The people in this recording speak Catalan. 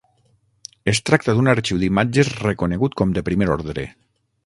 Es tracta d'un arxiu d'imatges reconegut com de primer ordre.